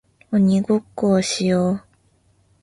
鬼ごっこをしよう